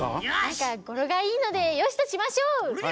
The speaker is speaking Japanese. なんかごろがいいのでよしとしましょう！